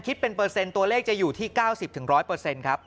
คิดเป็นเปอร์เซ็นต์ตัวเลขจะอยู่ที่๙๐ถึง๑๐๐เปอร์เซ็นต์ครับ